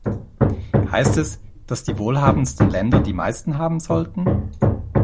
Heißt es, dass die wohlhabendsten Länder die meisten haben sollten?